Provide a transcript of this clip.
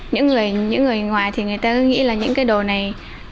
những người ngoài thì người ta cứ nghĩ là những cái đồ này